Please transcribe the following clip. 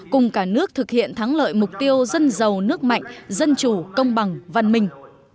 cùng cả nước thực hiện thắng lợi mục tiêu dân giàu nước mạnh dân chủ công bằng văn minh